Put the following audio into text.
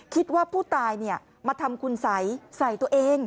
คิดว่าผู้ตายมาทำคุณสัยใส่ตัวเอง